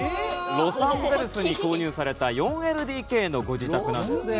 「ロサンゼルスに購入された４ＬＤＫのご自宅なんですね」